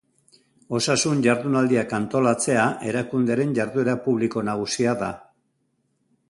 Osasun jardunaldiak antolatzea erakundearen jarduera publiko nagusia da.